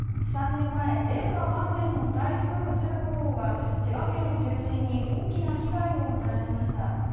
３年前、令和元年の台風１５号は千葉県を中心に大きな被害をもたらしました。